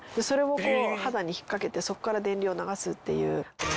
それを肌に引っかけてそこから電流を流すっていう。